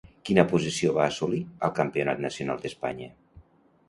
Quina posició va assolir al Campionat Nacional d'Espanya?